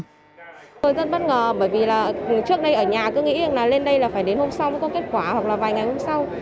tôi rất bất ngờ bởi vì trước đây ở nhà cứ nghĩ là lên đây là phải đến hôm sau có kết quả hoặc là vài ngày hôm sau